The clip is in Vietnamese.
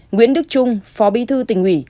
nguyễn đức trung phó bí thư tỉnh quỷ